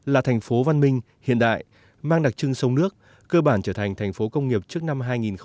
là thành phố văn minh hiện đại mang đặc trưng sông nước cơ bản trở thành thành phố công nghiệp trước năm hai nghìn ba mươi